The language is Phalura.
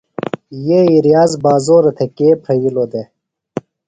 ݨ یئی ریاض بازورہ تھےۡ کے پھرئِلوۡ دےۡ؟